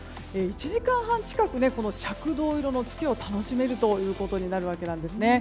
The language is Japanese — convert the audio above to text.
１時間半近く赤銅色の月を楽しめるということになります。